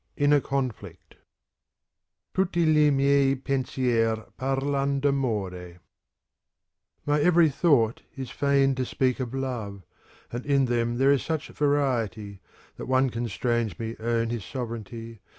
j INNER CONFLICT futti It miei fenskr par /an ctamore My every thought is fain to speak of love, And in them there is such variety. That one constrains me own his sovereignty.